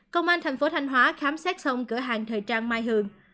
công an thành phố thanh hóa khám xét xong cửa hàng thời trang mai hường